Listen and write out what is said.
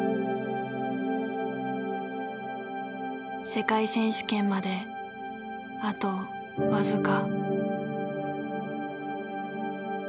世界選手権まであと僅か。